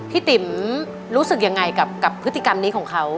ติ๋มรู้สึกยังไงกับพฤติกรรมนี้ของเขา